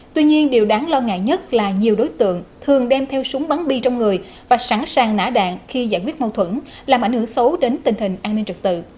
tuy nhiên điều đáng lo ngại nhất là nhiều đối tượng thường đem theo súng bắn bi trong người và sẵn sàng nã đạn khi giải quyết mâu thuẫn làm ảnh hưởng xấu đến tình hình an ninh trật tự